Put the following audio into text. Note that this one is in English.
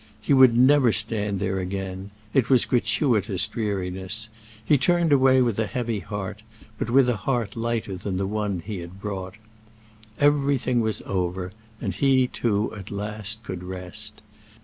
He would never stand there again; it was gratuitous dreariness. He turned away with a heavy heart, but with a heart lighter than the one he had brought. Everything was over, and he too at last could rest.